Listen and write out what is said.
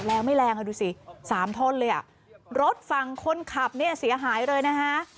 แรงไม่แรงอ่ะดูสิสามท่อนเลยอ่ะรถฝั่งคนขับเนี่ยเสียหายเลยนะคะ